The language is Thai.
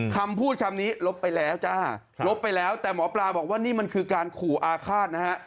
คำพูดคำนี้ลบไปแล้วจ้าลบไปแล้วแต่หมอปลาบอกว่านี่มันคือการขู่อาฆาตนะฮะ